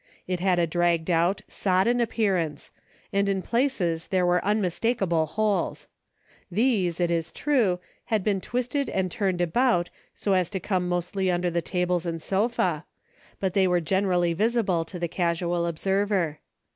It had a dragged out, sodden appearance, and in places there were unmistakable holes. These, it is true, had been twisted and turned about so as to come mostly under the tables and sofa, but they were generally visible to the casual ob server.